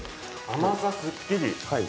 甘さすっきり！